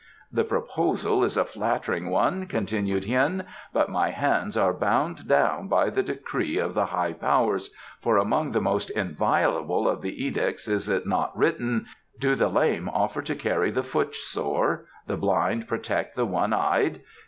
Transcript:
"The proposal is a flattering one," continued Hien, "but my hands are bound down by the decree of the High Powers, for among the most inviolable of the edicts is it not written: 'Do the lame offer to carry the footsore; the blind to protect the one eyed?